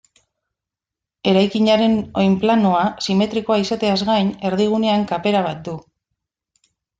Eraikinaren oinplanoa simetrikoa izateaz gain erdigunean kapera bat du.